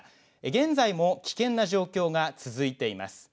現在も危険な状況が続いています。